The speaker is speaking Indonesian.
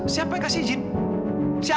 siapa yang kasih izin